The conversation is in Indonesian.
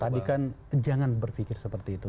tadi kan jangan berpikir seperti itu